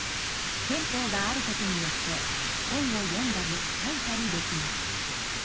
憲法があることによって本を読んだり書いたりできます。